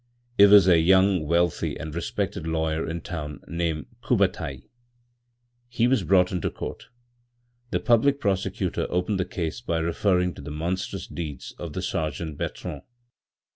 It was a young, wealthy and respected lawyer in town, named Courbataille. He was brought into court. The public prosecutor opened the case by referring to the monstrous deeds of the Sergeant Bertrand.